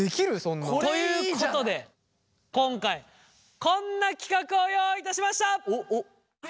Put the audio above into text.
これいいじゃない！ということで今回こんな企画を用意いたしました！